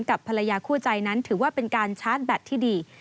กับภรรยาคู่ใจนั้นถือว่าเป็นการชาร์จแบตที่ดี